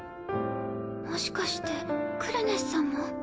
もしかしてクリュネスさんも？